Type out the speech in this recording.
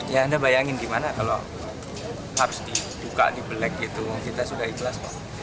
ya anda bayangin gimana kalau haps di duka di belek gitu kita sudah ikhlas